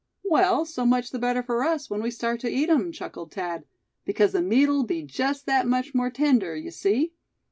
"Well so much the better for us, when we start to eat him," chuckled Thad; "because the meat'll be just that much more tender, you see."